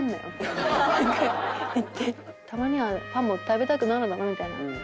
「たまにはパンも食べたくなるだろ」みたいな。